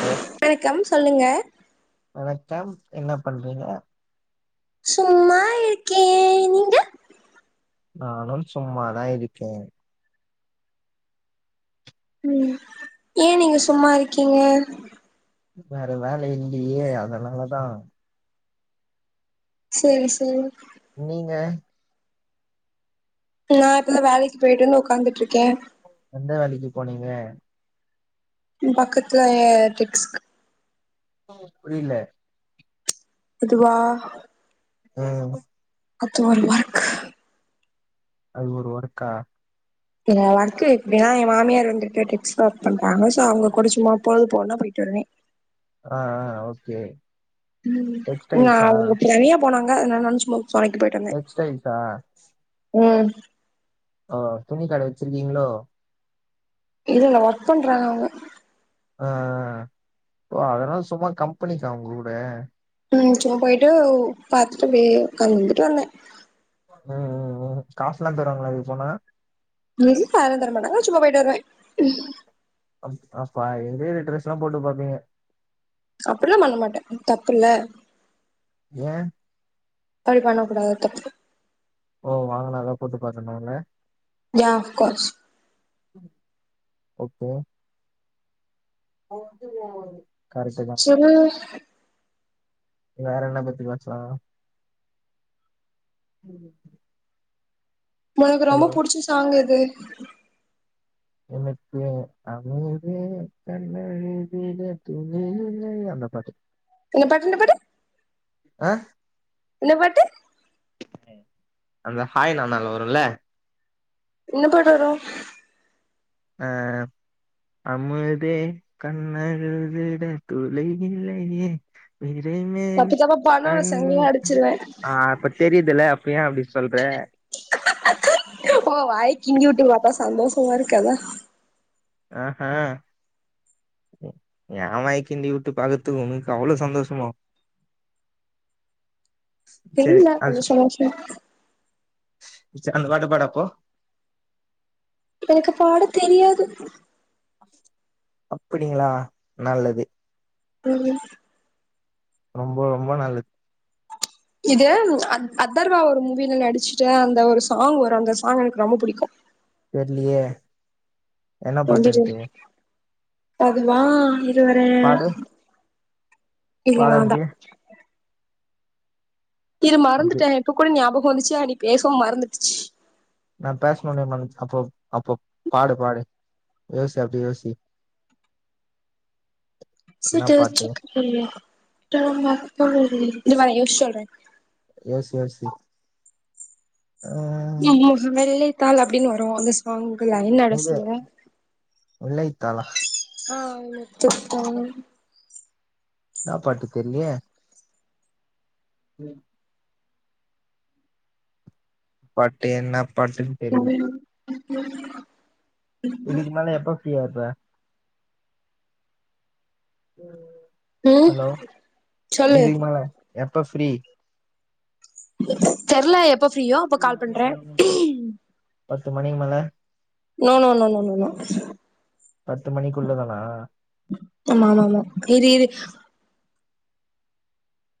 Hello வணக்கம் சொல்லுங்க வணக்கம் என்ன பண்றீங்க சும்மா இருக்கே நீங்க நானும் சும்மாதா இருக்கே ம் ஏ நீங்க சும்மா இருக்கீங்க வேற வேல இல்லியே அதனாலதா சேரி சேரி நீங்க நா இப்பல்லா வேலைக்கு போயிட்டு வந்து உக்காந்துட்டு இருக்கே எந்த வேலைக்கு போனீங்க எ பக்கத்துல டெக்ஸ்கு புரில இதுவா ம் அத்தொர் ஒர்க் அது ஒரு ஒர்க்கா எங்க ஒர்க்கு எப்டின்னா எ மாமியார் வந்து கேட்டுச்சின்னா ஒர்க் பண்வ நாங்க சோ அவங்க கூட சும்மா பொழுது போனா புடிப் ட்டு வருவே ஆ ஆ ஓகே ம் ஆ டெக்ஸ்டைல்ஸா அவங்க தனியா போனாங் க அதனால நானு சும்மா துணைக்கு போயிட்டு வந்தே டெக்ஸ்டைல்சா ம் ஆ துணிக்கட வெச்சிருக்கீங்களோ இல்ல ஒர்க் பண்றாங்க அவங்க ஆ ஆ ஓ அதனால சும்மா கம்பெனிக்கா அவங்க கூட ம் சும்மா போயிட்டு பாத்துட்டு் அப்டியே உக்காங்து இருந்துட்டு வருவ ம் ம் ம் காஸ்லா தருவாங்ளா இதுக்கு போனா வீட்ல யாரு தரமாடாங்க சும்மா போயிட்டு வருவ அப் அப்பா எங்கது ட்ரெஸ் எல்லா போட்டு பாப்பீங்க அப்டியெல்லாம் பண்ண மாட்ட தப்புல்ல ஏ அப்டி பண்ண கூடாது தப்பு ஓ வாங்குனாதா போட்டு பாக்கனு இல்ல யா அஃப் கோர்ஸ் ஓக்கே அவ வந்துகிறா போல் இருக்கு சொன்னாஸ் வேற என்ன பத்தி பேசுலா உனக்கு ரொம்ப புடுச்ச சாங்க எது [inaudible] எனக்கு அமுதே கண்ணழுதிட துணை இல்லையே அந்த பாட்டு என்ன பாட்டுன்டு பாடு ஆ இன்ன பாட்டு ம் அந்த ஹாய் நானால வருல்ல இன்ன பாட்டொரு அ -அ- அமுதே கண்ணழுதிட துளையில்லையே இனிமேல் தப்பு தப்பா பாடுனா உன்ன கண் செங்கலா அடிச்சிருவே ஆ அப்ப தெரிதுல்லா ப்ப ஏ அப்பிடி சொல்ற கிங்குட்டு வாபா சந்தோஷமா இருக்ககாதா ஆஹா ஏ வாய்க்கிண்டிவுட்டு பாக்குத்துக்கு உனக்கு அவ்ளோ சந்தோஷமோ தெரியல கொஞ்சோ சோஷ ச்சி அந்த பாட்ட பாடு அப்போ எனக்கு பாட தெரியாது அப்பிடிங்களா நல்லது ம்ம் ரொம்போ ரொம்போ நல்ல இது அத அதர்வா ஒரு மூவி‌ல நடிச்சி சே அந்த ஒரு சாங் வரு அந்த சா ஆம் எனக்கு ரொம்ப புடிக்கு தெர்லயே என்னா பாட்டுன்ட்டு அதுவா த்து வரே பாடு இல்ல பாடு வேண்டா அப்டியே இரு அப்டியே மறந்துட்டே இப்ப கூட ஞாபக் ப்போ வந்துச்சா நீ பேசவு மறந்துடுச்சி நா பேசுனொன்னே மன்னிச் அப்போ அப்போ பாடு பாடு யோசி அப்பிடி யோசி என்ன சிட்டு பாட்டு சிட்ட [unintelligible] [unintelligible] இரு வரே யோசி சொல்றே யோசி யோசி ஆ [unintelligible] தால் அப்பிடின்னுவரு அந்த ஸ் அவங்க லைன் நடசல காலா ஆ வச்சுக்கோங்க என்ன பாட்டு தெர்லயே ம் பாட்டு என்ன பாட்டுன் தெரில [inaudible] இதுக்கு மேல எப்ப ஃப்ரீயா இருப்ப? ம் ம் ஹலோ சொல்லு இதுக்கு மேல எப் ப ஃப்ரீ தெர்ல எப் ப ஃப்ரீயோ அப்ப கால் பண்றே த்து மணிகு மேல no no no no no no பத்து மணிக்குள்ள தானா ஆமாமாமா இரு இரு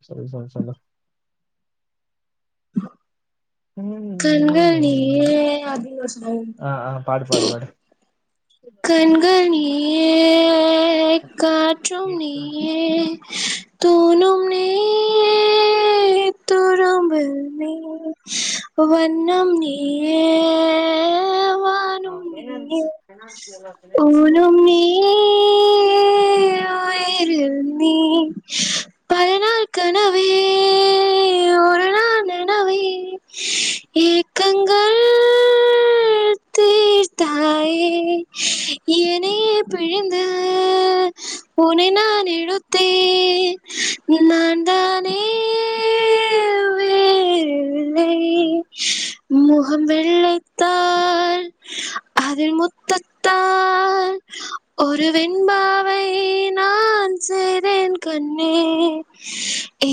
சொல் சொல் சொல்லு [inaudible] கண்கள் நீயே அப்டின் ஒரு சாங் ஆ ஆ பாடு பாடு பாடு கண்கள் நீயே காற்றும் நீயே தூணும் நீ துறும்பில் நீ வண்ணம் நீ ஆ நீயே ஃபைனான்ஸு வேணா ஊனும் நீ நீ உயிரில் நீ பலநாள் கனவே ஒரு நாள் நனவே ஏக்கங்கள் உஹம் தீர்த்தாயே எனையே பிழிந்து உனை நான் எடுத்தே நான் தானே வேறி ல்லை ம் முக கம் வெள்ளைத்தாள் அதில் முத் தத்தால் ஒரு வெண்பாவை நான் செய்தேன் கண்ணே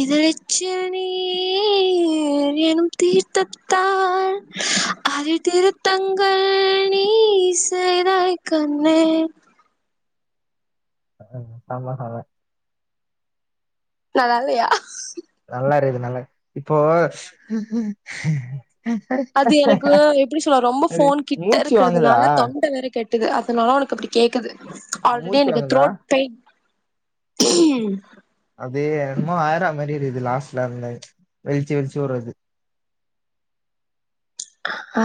இதழ் எச்சில் நீர் எனும் தீர்த்தத்தால் அதில் திருத்தங்கள் நீ செய்தாய் கண்ணே ஆ செம செம நல்லால்லயா நல்லா இருக்குது நல்லா இப்போ அது எனக்கு எப்டி சொல்ல ரொம்ப அது ஃபோன் கிட்ட மூச்சு வாங்குதா இருக்குறதுனால தொண்ட வேற கெட் அதனால உனக்கு அப்டி கேக்குது ஆல்ரெடி மூச்சு எனக்கு வாங்குதா த்ரோட் பெய்ன் ஹம் அதே என்மோ ஆயிர மாதிரி இருக்குது லாஸ்ட்ல இருந்த வெளிச்சு வெளிச்சு விடுறது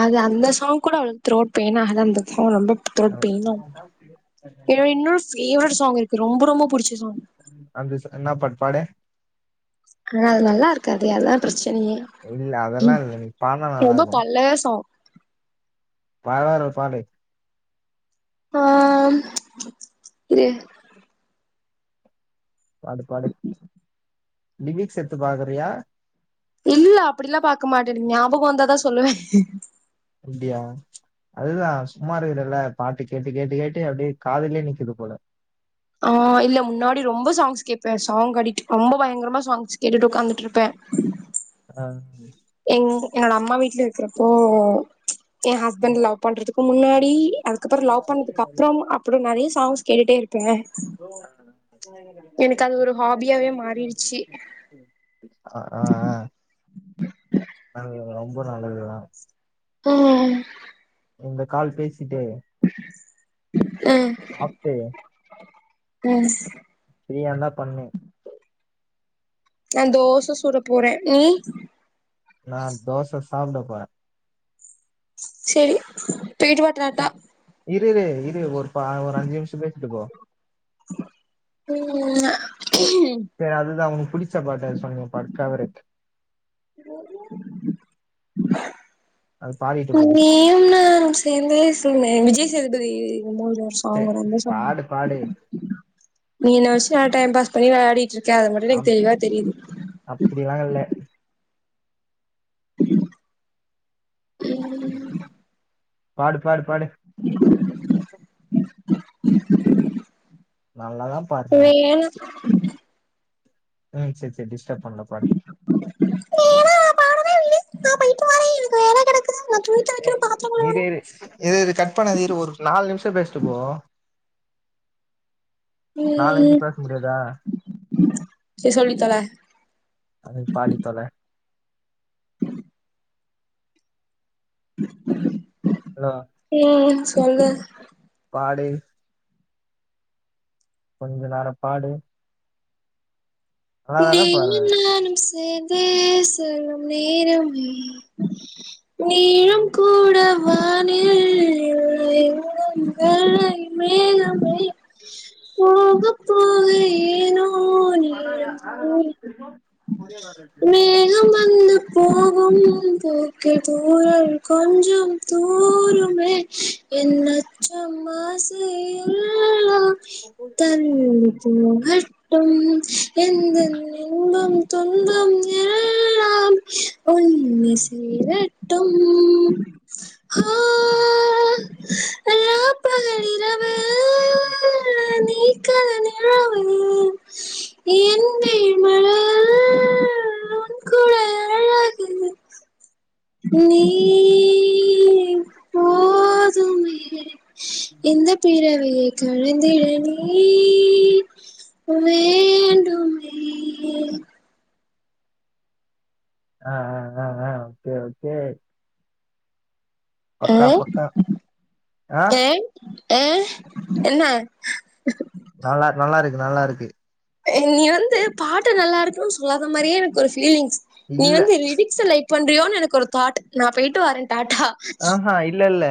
அது அந்த சாங் கூட அவளக்கு திரோட் பேனாக தா இருந்தது ரொம்ப த்ரோட் பெய்பீனா இருக்கு என்னோட இன்னொரு ஃபேவரட் சாங் இருக்கு ரொம்ப ரொம்ப புடிச்ச சாங் அந்த சா என்னா பாட் பாடு ஆ அது நல்லா இருக்காது அதான் பிரச்சனையே இல்ல அதெல்லா இல்ல நீ பாடுனா நல்லா ரொம்ப இருக்கு பழ சாங் பரவால்ல பாடு ஆ இ பாடு பாடு லிபிக்ஸ் எடுத்து பாக்குறுயா இல்ல அப்டிலா பாக்க மாட்டேங்க ஞாபக வந்தாதா சொல்லுவே அப்டியா அதுதா சும்மா இருக்கரல்ல பாட்டு கேட்டு கேட்டு கேட்டு அப்டியே காதுலயே நிக்குது போல ஆ இல்ல முன்னாடி ரொம்ப சாங்ஸ் கேப்பே சாங் அடிக்ட் ரொம்ப பயங்கரமா சாங்ஸ் கேட்டுட்டு உட்காந்துட்டு இருப்பே ஆ எங் என்னோட அம்மா வீட்ல இருக்கிறப்போ என் ஹஸ்பண்ட் லவ் பண்றதுக்கு ஆ முன்னாடி அதுக்கப்புறம் லவ் பண்ணதுக்கு அப்றம் அப்றம் நெறய சவுன்ஸ் கேட்டுட்டே இருக்கு எனக்கு அது ஒரு ஹாபியாவே மாறிடுச்சு ஆ அது ரொம்ப நல்லதுதா உம் இந்த கால் பேசி டு சாப்ட்டு உம் ஃப்ரீயா இருந்தா பண்ணு நா தோச சுட போறே நீ நா தோச சாப்ட போறே செரி போயீட்டு வா டாட்டா இரு இரு ஒரு ஒரு அஞ்சு நிமிஷோ பேசிட்டு போ ம் ஏய் அதுதான் உண் புடிச்ச பாட்டு ஏதாவது சொல்லுங்க ஃபேவரைட் நீயும் நான் சேர்ந்தே செல்லும் விஜய் தளபதி இன்னொரு சே சாங் வந்து நல்ல சாங் பாடு பாடு நீ என்ன நல்லா டைம் பாஸ் பண்ணி விளையாடிட்டு இருக் அது மட்டும் எனக்கு அப் தெளிவா தெரியுது அப்டிலா இல்ல [inaudible] ம் பாடு பாடு பாடு [inaudible] [inaudible] நல்லாதான் பாடுன வேணா ம் செரி செரி டிஸ்டர்ப் பண்ணல பாடு வேணா பாடவே இல்ல நான் போயிட்டு வாறேன் எனக்கு வேலை கடக் ஏ இரு இரு கட் பண்ணாத ஒரு நாலு நிமிஷம் பேசிட்டு போ நாலு ம் நிமிஷம் பேச முடியாதா சரி சொல்லி தொலை அதுக்கு பாடி தொல ஹலோ ம் தோழர் பாடு கொஞ்ச நேரம் பாடு நல்லாதான பாடுற நீயும் நானும் சேர்ந் தே செல்லும் நேரமே நீளம் கூட வானில் இல்லை எங்கும் வெள்ளை மேகமே போக போக ஏனோ இப்டி பண்ணாத நான் நல்லா நீளம் படிச்சிருக்கோம் கொரியர் வேலை இருக்குது நாங்க மேகம் வந்து போகும் பூக்கள் தூரம் கொஞ்சம் தூருமே என் அச்சம் ஆசை எல் லாம் தள்ளி போகட்டும் [inaudible] எந்தன் இன்பம் துன்பம் எல்லாமே உன்னை சேரட் டும் ஹா உ ராப்பகல் இரவு உம் நீ கலர் நிலவு எந்தையும் மழையில் உன் குரல் அழகு நீ போதுமே இந்த பிறவியை கலந்திட நீ வேண்டுமே ஆ ஆ ஆ ஆ ஓகே ஓகே அ பக்கா பக்கா ஆ டைம் ஆ என்ன நல்லார்க்கு நல்லார்க்கு நல்லா இருக்கு நீ வந்து பாட்டு நல்லா இருக்கணு சொல்லாத மாரியே எனக்கு ஒரு ஃப் ஃபீலிங்ஸ் இல்ல நீவந்து ரிடிக்ஸ லைக் பண்றியோன்னு எனக்கு ஒரு தாட் நா போயிட்டு வாரே ஆஹா இல்லல்ல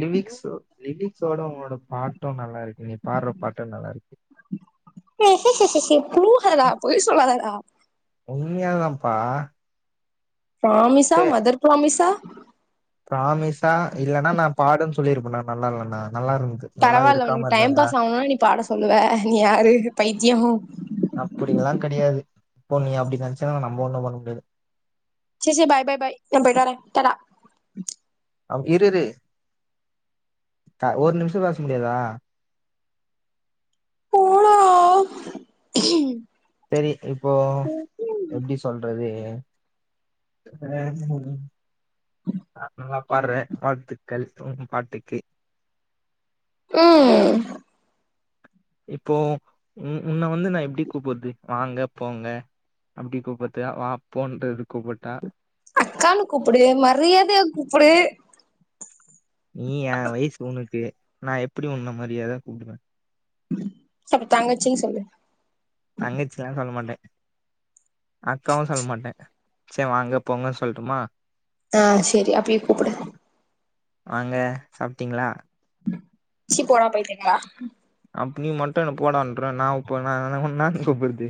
லிரிக்ஸ் லிரிக்ஸோட உனோட பாட்டு நல்லா இருக்கு நீ பாடுற பாட்டு நல்லா இருக்கு ஹஹ்ஹ ஹஹ்ஹஹே புழுகாரடா பொய் சொல்லாதடா உண்மயதாப்பா பிராமிசா மதர் பிராமிசா பிராமிசா இல்லனா நா பாடுன்னு சொல்லிருப்பேன்ணா நல்லா இல்லணா பரவால்ல நீ டைம் பாஸ் ஆவனும்னா நீ பாட சொல்லுவ நீ யாரு பைதியோ அப்டியெல்லா கிடயாது இப்போ நீ அப்டி நெனசின்னா நம்ம ஒண்ணு பண்ண முடியாது சேரி சேரி பாய்-பாய்-பாய் நா போய்ட்டுவறே டாடா அவ இருரு த ஒரு நிமிஷோ பேச முடியாதா போடா சேரி இப்போ எப்பிடி சொல்றது ம் ஆ ம் [unintelligible] வடர்றே வாழ்த்துக்கள் உ ம்ம் பாட்டுக்கு ம் இப்போ உ உன்ன வந்து நா எப்பிடி கூப்புறது வாங்க போங்க அப்பிடி கூப்பர்த்தா வா போன்றது கூப்புட்டா அக்கானு கூப்புடு மரியாதயா கூப்புடு நீ ஏ வயசு உனுக்கு நா எப்பிடி உன்ன மரியாதயா கூப்புடுவே ச அப்ப தங்கச்சினு சொல்லு தங்கச்சின்லா சொல்லமாட்டே அக்காவு சொல்லமாட்டே சே வாங்க போங்க சொல்லுட்டுமா ஆ சேரி அப்பியே கூப்புடு வாங்க சாப்ட்டிங்ளா சி போடா பைத்திங்ளா அப்ப நீ மட்டு என்ன போடன்ரா நா உப்ப ந உன்ன கூப்புறது